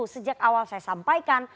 sejak awal saya sampaikan